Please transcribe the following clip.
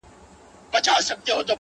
خدایه معلوم یمه، منافقت نه کوم.